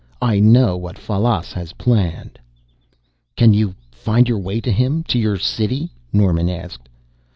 I know what Fallas has planned." "Can you find your way to him to your city?" Norman asked.